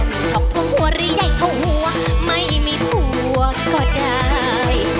มีทองหัวหรือใหญ่เท่าหัวไม่มีผัวก็ได้